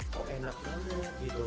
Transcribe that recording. kok enak banget gitu